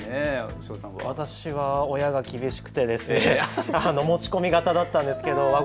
私は親が厳しくて持ち込み型だったんです。